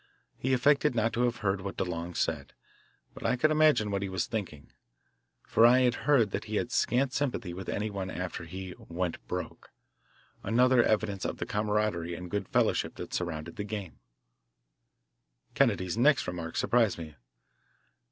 He affected not to have heard what DeLong said, but I could imagine what he was thinking, for I had heard that he had scant sympathy with anyone after he "went broke" another evidence of the camaraderie and good fellowship that surrounded the game. Kennedy's next remark surprised me.